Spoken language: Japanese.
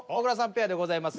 ペアでございます。